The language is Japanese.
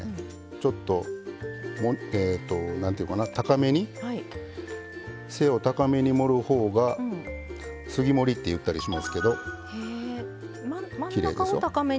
ちょっと何というかな高めに背を高めに盛るほうが杉盛りっていったりしますけど真ん中を高めに。